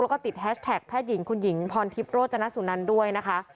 แล้วก็ติดแฮชแท็กแพทย์หญิงคุณหญิงพรทิพย์โรจนสุนันด้วยนะคะ